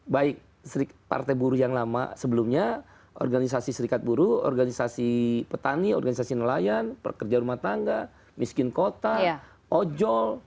baik partai buruh yang lama sebelumnya organisasi serikat buruh organisasi petani organisasi nelayan pekerja rumah tangga miskin kota ojol